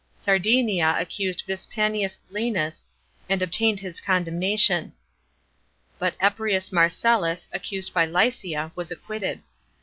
Sardinia accused Vipsanius Lasnas and obtained his condemnation; but Eprius Marcellus, accused by Lycia, was acquitted.